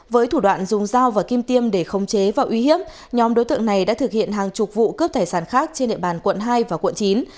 với thủ đoạn dùng dao và kim tiêm để khống chế và uy hiếp nhóm đối tượng này đã thực hiện hàng chục vụ cướp tài sản khác trên địa bàn quận hai và quận chín